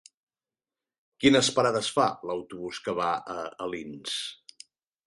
Quines parades fa l'autobús que va a Alins?